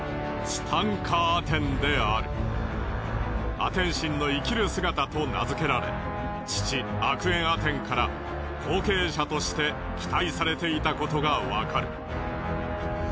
アテン神の生きる姿と名づけられ父アクエンアテンから後継者として期待されていたことがわかる。